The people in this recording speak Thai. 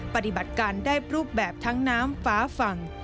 ปฏิบัติการได้รูปแบบทั้งน้ำฟ้าฝั่ง